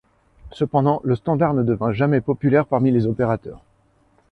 Cependant, le standard ne devint jamais populaire parmi les opérateurs.